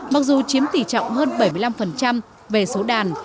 mặc dù chiếm tỷ trọng hơn bảy mươi năm về số đàn